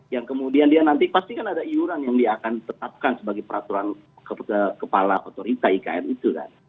yang kemudian dia nanti pastikan ada iuran yang dia akan tetapkan sebagai peraturan kepala otorita ikn itu kan